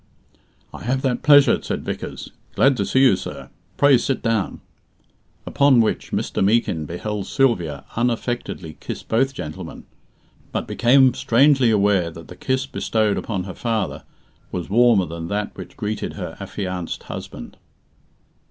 "I have that pleasure," said Vickers. "Glad to see you, sir. Pray sit down." Upon which, Mr. Meekin beheld Sylvia unaffectedly kiss both gentlemen; but became strangely aware that the kiss bestowed upon her father was warmer than that which greeted her affianced husband.